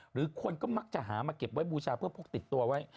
หรือคนก็มักจะหามาเก็บไว้บูชาเพื่อพกติดตัวไว้